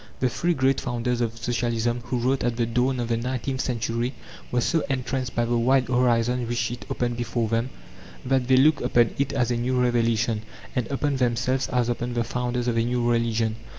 The three great founders of Socialism who wrote at the dawn of the nineteenth century were so entranced by the wide horizons which it opened before them, that they looked upon it as a new revelation, and upon themselves as upon the founders of a new religion.